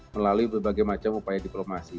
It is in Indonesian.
melalui berbagai macam upaya diplomasi